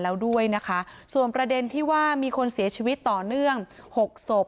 แล้วด้วยนะคะส่วนประเด็นที่ว่ามีคนเสียชีวิตต่อเนื่องหกศพ